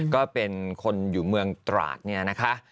ก็เป็นคนอยู่เมืองตราดเนี่ยนะคะ